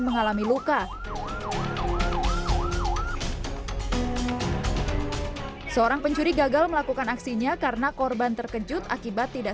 mengalami luka seorang pencuri gagal melakukan aksinya karena korban terkejut akibat tidak